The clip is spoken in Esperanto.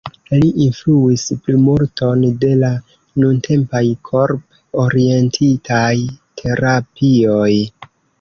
Li influis plimulton de la nuntempaj korp-orientitaj terapioj.